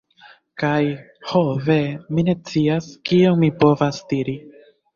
Kaj... ho ve, mi ne scias kion mi povas diri!